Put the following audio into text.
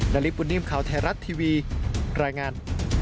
นาริปุ่นนิ่มข่าวไทยรัฐทีวีรายงาน